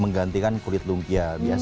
menggantikan kulit lungkia biasa